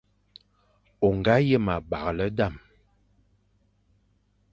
O nga yen abaghle dam ;